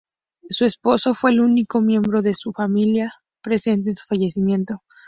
Su esposo fue el único miembro de su familia presente en su fallecimiento.